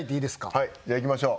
はいじゃあいきましょう。